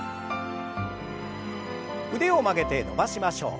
腕を曲げて伸ばしましょう。